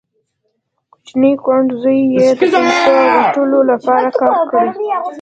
کوچني کوڼ زوی یې د پیسو ګټلو لپاره کار کړی